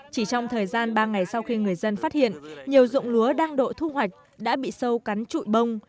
chỉ trong thời gian ba ngày sau khi người dân phát hiện nhiều dụng lúa đang độ thu hoạch đã bị sâu cắn trụi bông